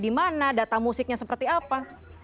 di mana data musiknya seperti apa